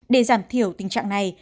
để giảm thiểu tình trạng này